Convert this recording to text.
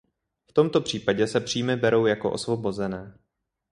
V tomto případě se příjmy berou jako osvobozené.